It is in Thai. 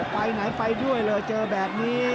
ไปไหนไปด้วยเลยเจอแบบนี้